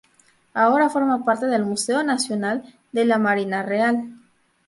Ahora forma parte del Museo Nacional de la Marina Real.